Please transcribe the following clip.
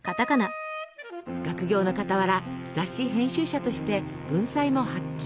学業の傍ら雑誌編集者として文才も発揮。